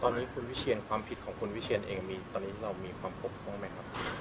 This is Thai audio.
ตอนนี้คุณวิเชียนความผิดของคุณวิเชียนเองมีตอนนี้เรามีความปกป้องไหมครับ